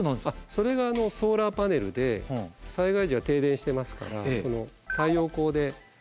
それがソーラーパネルで災害時は停電してますから太陽光で充電が更に。